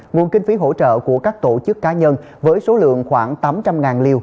nguồn kinh phí hỗ trợ của các tổ chức cá nhân với số lượng khoảng tám trăm linh liều